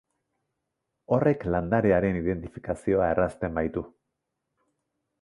Horrek landarearen identifikazioa errazten baitu.